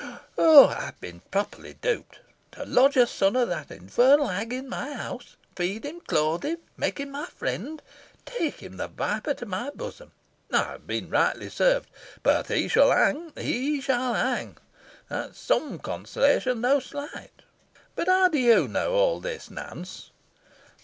Oh, I have been properly duped! To lodge a son of that infernal hag in my house feed him, clothe him, make him my friend take him, the viper! to my bosom! I have been rightly served. But he shall hang! he shall hang! That is some consolation, though slight. But how do you know all this, Nance?"